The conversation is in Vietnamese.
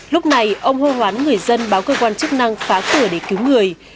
lúc này ông hô hoán người dân báo cơ quan chức năng phá cửa để cứu người